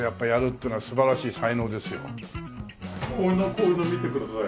こういうの見てください。